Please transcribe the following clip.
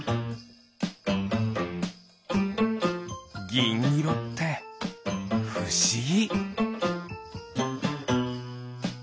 ぎんいろってふしぎ。